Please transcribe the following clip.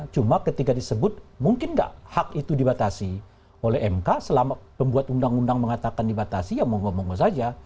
cuma ketika disebut mungkin nggak hak itu dibatasi oleh mk selama pembuat undang undang mengatakan dibatasi ya monggo monggo saja